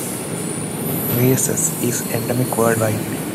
Measles is endemic worldwide.